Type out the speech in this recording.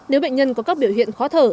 nếu bệnh nhân có các biểu hiện khó thở